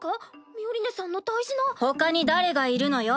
ミオリネさんの大事なほかに誰がいるのよ。